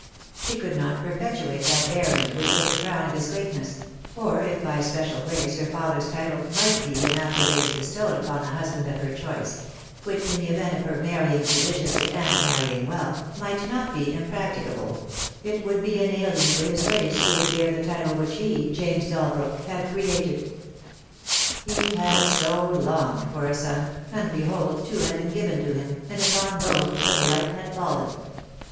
She could not perpetuate that barony which was the crown of his greatness; or if by special grace her father's title might be in after days bestowed upon the husband of her choice — which in the event of her marrying judiciously and marrying wealth, might not be impracticable — it would be an alien to his race who would bear the title which he, James Dalbrook, had created. He had so longed for a son, and behold two had been given to him, and upon both the blight had fallen.